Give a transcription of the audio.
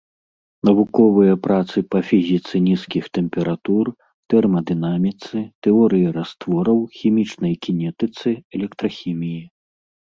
Навуковыя працы па фізіцы нізкіх тэмператур, тэрмадынаміцы, тэорыі раствораў, хімічнай кінетыцы, электрахіміі.